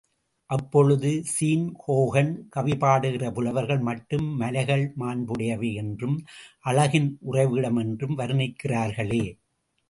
அப்பொழுது Sean Hogan கவிபாடுகிற புலவர்கள் மட்டும் மலைகள் மாண்புடையவை என்றும், அழகின் உறைவிடம் என்றும் வர்ணிக்கிறார்களே!